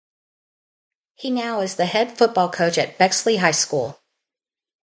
He now is the head football coach at Bexley High School.